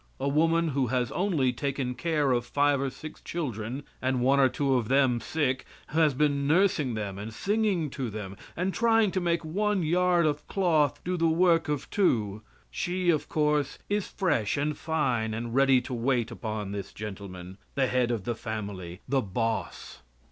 A woman who has only taken care of five or six children, and one or two of them sick, has been nursing them and singing to them, and trying to make one yard of cloth do the work of two, she, of course, is fresh and fine and ready to wait upon this gentleman the head of the family the boss.